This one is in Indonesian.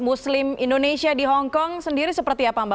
muslim indonesia di hongkong sendiri seperti apa mbak